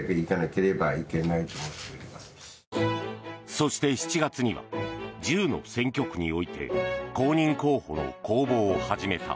そして、７月には１０の選挙区において公認候補の公募を始めた。